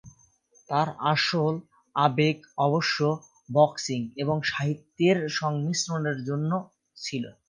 তাঁর আসল আবেগ অবশ্য বক্সিং এবং সাহিত্যের সংমিশ্রণের জন্য ছিল।